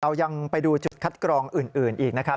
ยังไปดูจุดคัดกรองอื่นอีกนะครับ